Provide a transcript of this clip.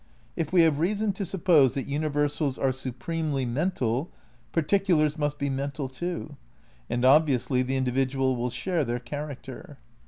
If we have reason to suppose that universals are supremely mental, particulars must be mental too. And, obviously, the individual will share their char acter.